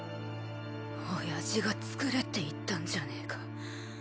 親父が作れって言ったんじゃねえか